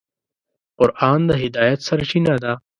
قرآن د هدایت سرچینه ده.